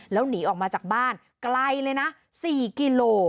แล้วหนีออกมาจากบ้านไกลเลยนะ๔กิโล